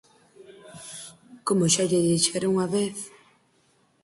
Como xa lle dixera unha vez: